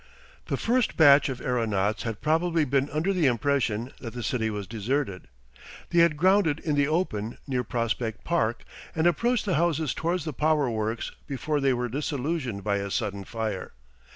The first batch of aeronauts had probably been under the impression that the city was deserted. They had grounded in the open near Prospect Park and approached the houses towards the power works before they were disillusioned by a sudden fire.